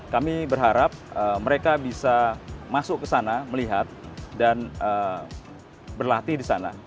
kami berharap mereka bisa masuk ke sana melihat dan berlatih di sana